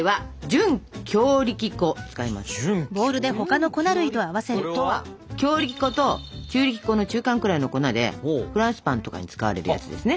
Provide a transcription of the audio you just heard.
準強力粉とは強力粉と中力粉の中間くらいの粉でフランスパンとかに使われるやつですね。